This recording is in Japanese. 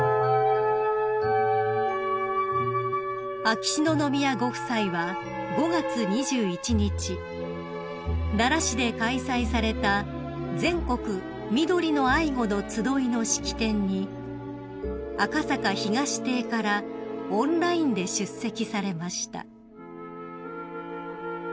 ［秋篠宮ご夫妻は５月２１日奈良市で開催された全国「みどりの愛護」のつどいの式典に赤坂東邸からオンラインで出席されました］